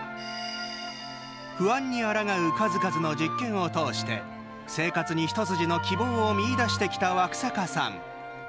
不安にあらがう数々の実験を通して生活に一筋の希望を見いだしてきたワクサカさん。